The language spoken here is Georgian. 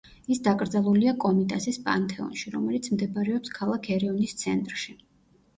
ის დაკრძალულია კომიტასის პანთეონში, რომელიც მდებარეობს ქალაქ ერევნის ცენტრში.